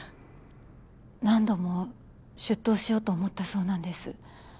何度も出頭しようと思ったそうなんです。